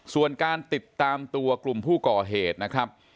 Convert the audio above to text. ส่วนการติดตามตัวกลุ่มผู้ก่อเหตุนะครับ